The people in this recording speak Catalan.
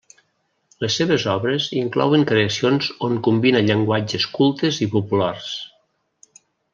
Les seves obres inclouen creacions on combina llenguatges cultes i populars.